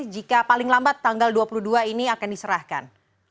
jika paling lambat tanggal dua puluh dua ini akan diserahkan